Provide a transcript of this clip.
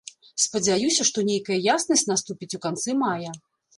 Спадзяюся, што нейкая яснасць наступіць у канцы мая.